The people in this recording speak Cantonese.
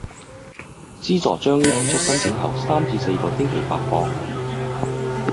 資助將於提出申請後三至四星期發放